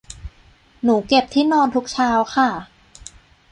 หนูเก็บที่นอนทุกเช้าค่ะ